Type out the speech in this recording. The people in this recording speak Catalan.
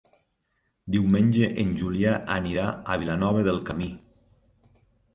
Diumenge en Julià anirà a Vilanova del Camí.